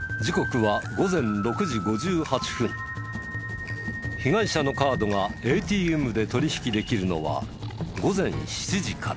時刻は被害者のカードがＡＴＭで取引できるのは午前７時から。